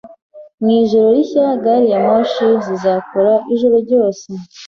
Mu ijoro rishya, gari ya moshi zizakora ijoro ryose.